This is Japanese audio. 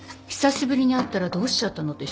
久しぶりに会ったらどうしちゃったの？